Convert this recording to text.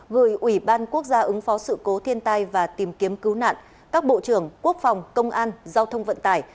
gửi ủy ban quốc gia ứng phó sự cố thiên tai và tìm kiếm cứu nạn các bộ trưởng quốc phòng công an giao thông vận tải